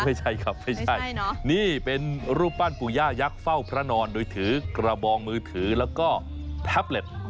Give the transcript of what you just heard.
ไม่ใช่ครับไม่ใช่นี่เป็นรูปปั้นปู่ย่ายักษ์เฝ้าพระนอนโดยถือกระบองมือถือแล้วก็แท็บเล็ต